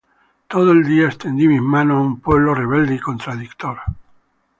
Todo el día extendí mis manos á un pueblo rebelde y contradictor.